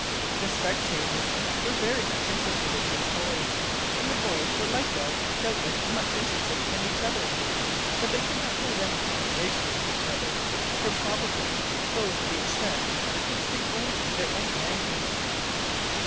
The spectators were very much interested in these boys, and the boys were likewise doubtless much interested in each other; but they could not hold any conversation with each other, for probably those of each set could speak only their own language.